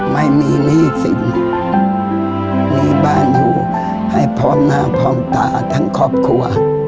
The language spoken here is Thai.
ไม่มีหนี้สินมีบ้านอยู่ให้พร้อมหน้าพร้อมตาทั้งครอบครัว